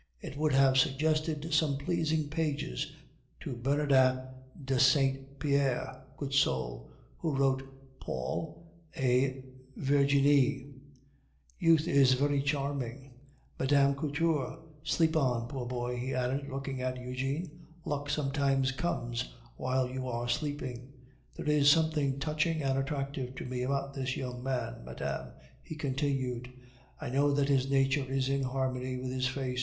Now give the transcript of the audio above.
It would have suggested some pleasing pages to Bernardin de Saint Pierre (good soul), who wrote Paul et Virginie. Youth is very charming, Mme. Couture! Sleep on, poor boy," he added, looking at Eugene, "luck sometimes comes while you are sleeping. There is something touching and attractive to me about this young man, madame," he continued; "I know that his nature is in harmony with his face.